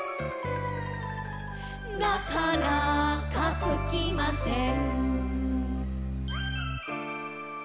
「なかなかつきません」